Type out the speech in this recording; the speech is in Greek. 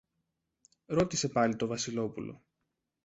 ρώτησε πάλι το Βασιλόπουλο.